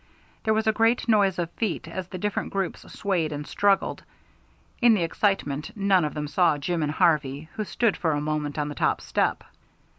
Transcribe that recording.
There was a great noise of feet, as the different groups swayed and struggled. In the excitement none of them saw Jim and Harvey, who stood for a moment on the top step.